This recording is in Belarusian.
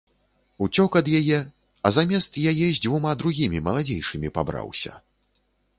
Уцёк ад яе, а замест яе з дзвюма другімі, маладзейшымі, пабраўся.